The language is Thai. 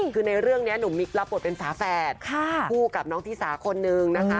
คือในเรื่องนี้หนุ่มมิกรับบทเป็นฝาแฝดคู่กับน้องธิสาคนนึงนะคะ